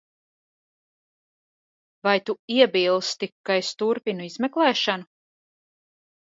Vai tu iebilsti, ka es turpinu izmeklēšanu?